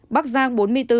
bắc giang bốn mươi bốn